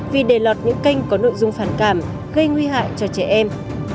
vì đề lọt những kênh có nội dung phản cảm gây nguy hại cho trẻ em